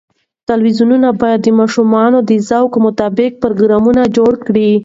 تلویزیون باید د ماشومانو د ذوق مطابق پروګرامونه جوړ کړي.